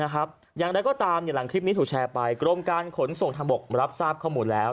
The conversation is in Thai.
หลังคลิปนี้ถูกแชร์ไปกรมการขนส่งทางบอกรับทราบข้อมูลแล้ว